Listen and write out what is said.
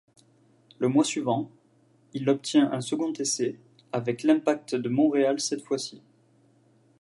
Le mois suivant, il obtient un second essai, avec l'Impact de Montréal cette fois-ci.